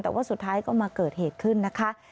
แต่ว่าสุดท้ายก็มาเกิดเหตุขึ้นนะคะ